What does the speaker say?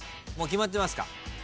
決まってますか？